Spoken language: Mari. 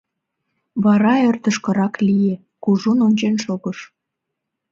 Вара ӧрдыжкырак лие, кужун ончен шогыш.